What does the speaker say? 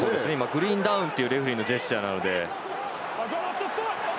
グリーンダウンというレフリーのジェスチャーなので。